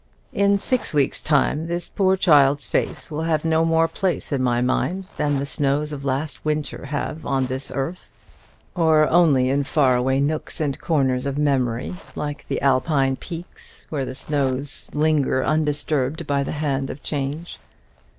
"In six weeks' time this poor child's pale face will have no more place in my mind than the snows of last winter have on this earth, or only in far away nooks and corners of memory, like the Alpine peaks, where the snows linger undisturbed by the hand of change.